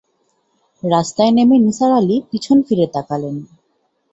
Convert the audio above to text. রাস্তায় নেমে নিসার আলি পিছন ফিরে তাকালেন।